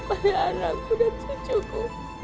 pada anakku dan cucuku